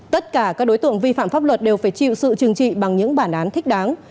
tất cả các đối tượng vi phạm pháp luật đều phải chịu sự trừng trị bằng những bản án thích đáng